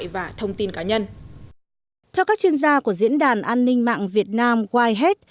việt nam white hat